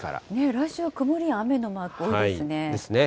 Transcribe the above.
来週は曇りや雨のマーク多いですね。ですね。